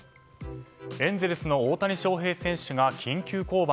エンゼルスの大谷翔平選手が緊急降板。